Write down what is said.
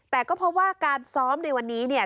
แต่ก็เพราะว่าการซ้อมในวันนี้เนี่ย